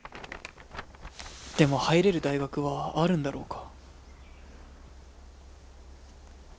でも入れる大学はあるんだろうか。